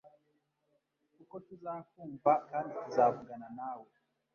kuko tuzakumva kandi tuzavugana nawe